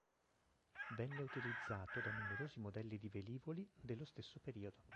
Venne utilizzato da numerosi modelli di velivoli dello stesso periodo.